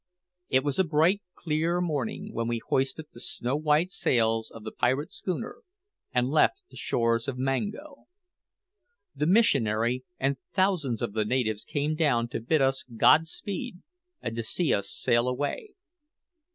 It was a bright, clear morning when we hoisted the snow white sails of the pirate schooner and left the shores of Mango. The missionary and thousands of the natives came down to bid us God speed and to see us sail away.